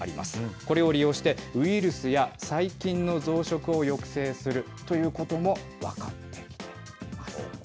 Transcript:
これを利用して、ウイルスや細菌の増殖を抑制するということも分かっています。